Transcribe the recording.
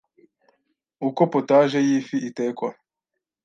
Uko potage y’ifi itekwa